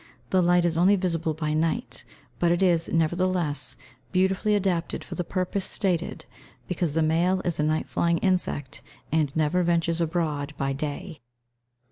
The light is only visible by night, but it is, nevertheless, beautifully adapted for the purpose stated, because the male is a night flying insect, and never ventures abroad by day.